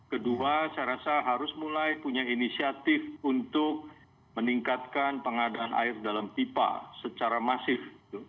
kedua saya rasa harus mulai punya inisiatif untuk meningkatkan pengadaan air dalam pipa secara masif